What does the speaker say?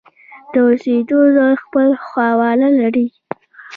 د اوسېدو ځای خپل حواله لري.